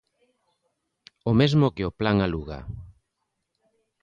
O mesmo que o plan Aluga.